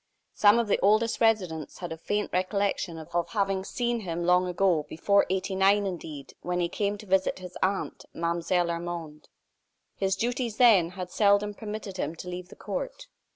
Some of the oldest residents had a faint recollection of having seen him long ago, before '89 indeed, when he came to visit his aunt, Mlle. Armande. His duties, then, had seldom permitted him to leave the court.